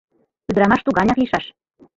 Ӱдырамаш туганяк лийшаш.